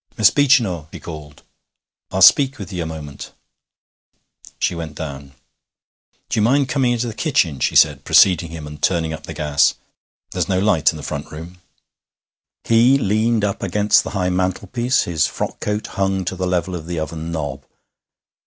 'Miss Beechinor,' he called, 'I'll speak with ye a moment.' She went down. 'Do you mind coming into the kitchen?' she said, preceding him and turning up the gas; 'there's no light in the front room.' He leaned up against the high mantelpiece; his frock coat hung to the level of the oven knob.